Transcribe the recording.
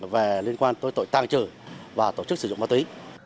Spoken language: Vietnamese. về liên quan tới tội tàng trữ và tổ chức sử dụng ma túy